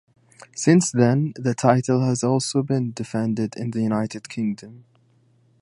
Since then, the title has also been defended in the United Kingdom.